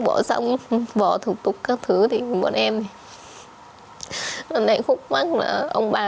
bỏ xong bỏ thủ tục các thứ thì bọn em này khúc mắt mà ông bà